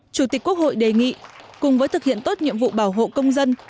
chủ tịch quốc hội đề nghị cùng với thực hiện tốt nhiệm vụ bảo hộ công dân